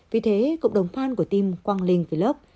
vì thế cộng đồng fan của team quang linh vlog